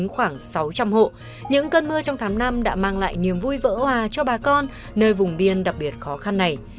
khoảng sáu trăm linh hộ những cơn mưa trong tháng năm đã mang lại niềm vui vỡ hòa cho bà con nơi vùng biên đặc biệt khó khăn này